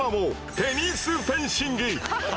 ペニスフェンシング？